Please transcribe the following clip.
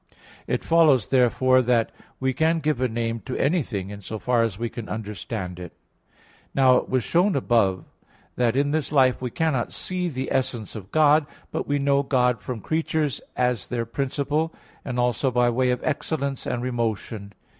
It follows therefore that we can give a name to anything in as far as we can understand it. Now it was shown above (Q. 12, AA. 11, 12) that in this life we cannot see the essence of God; but we know God from creatures as their principle, and also by way of excellence and remotion.